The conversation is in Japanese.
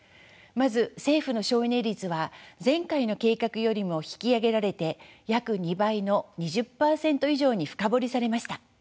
まず政府の省エネ率は前回の計画よりも引き上げられて約２倍の２０％以上に深掘りされました。